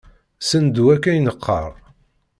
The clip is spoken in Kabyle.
Sendu akka i neqqar.